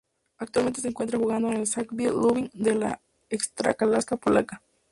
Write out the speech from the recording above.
Actualmente se encuentra jugando en el Zagłębie Lubin de la Ekstraklasa polaca.